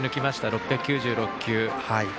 ６９６球。